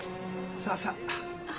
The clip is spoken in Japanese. さあさあ。